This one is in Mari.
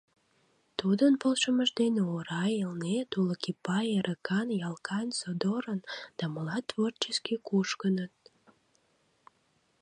Тудын полшымыж дене Орай, Элнет, Олык Ипай, Эрыкан, Ялкайн, Содорон да молат творчески кушкыныт.